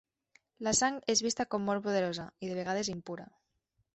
La sang és vista com molt poderosa, i de vegades impura.